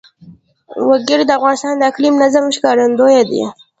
وګړي د افغانستان د اقلیمي نظام ښکارندوی ده.